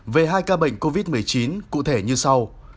về hai ca bệnh covid một mươi chín cụ thể như sau